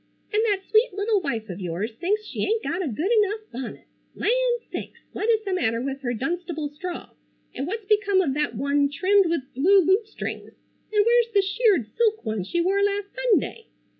And that sweet little wife of yours thinks she ain't got a good enough bonnet. Land sakes! What is the matter with her Dunstable straw, and what's become of that one trimmed with blue lutestrings, and where's the shirred silk one she wore last Sunday?